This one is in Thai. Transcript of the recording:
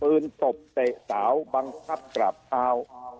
ตบเตะสาวบังคับกราบเท้า